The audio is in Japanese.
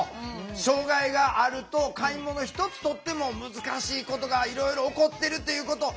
障害があると買い物ひとつとっても難しいことがいろいろ起こっているということ。